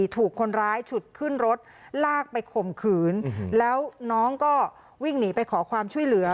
ถูกคนร้ายฉุดขึ้นรถลากไปข่มขืนแล้วน้องก็วิ่งหนีไปขอความช่วยเหลือ